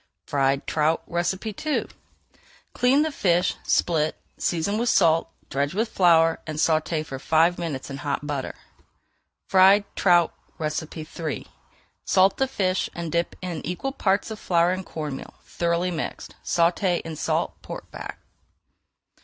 FRIED TROUT II Clean the fish, split, season with salt, dredge with flour, and sauté for five minutes in hot butter. [Page 414] FRIED TROUT III Salt the fish and dip in equal parts of flour and corn meal, thoroughly mixed. Sauté in salt pork fat.